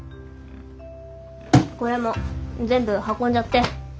これも全部運んじゃって。